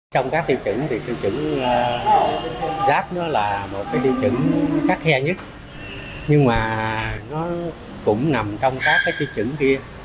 trong các tiêu chuẩn thì tiêu chuẩn gap nó là một cái tiêu chuẩn khắc khe nhất nhưng mà nó cũng nằm trong các cái tiêu chuẩn kia